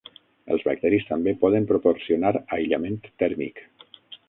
Els bacteris també poden proporcionar aïllament tèrmic.